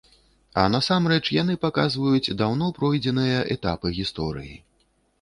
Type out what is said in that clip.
А насамрэч яны паказваюць даўно пройдзеныя этапы гісторыі.